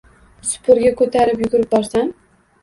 Supurgi ko’tarib yugurib borsam…